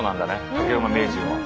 竹馬名人は。